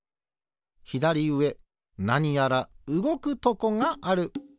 ひだりうえなにやらうごくとこがある。